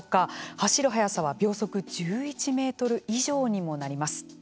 走る速さは秒速１１メートル以上にもなります。